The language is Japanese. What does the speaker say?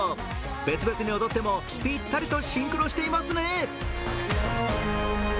別々に踊ってもぴったりとシンクロしていますね。